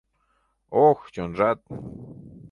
Ох, чонжат...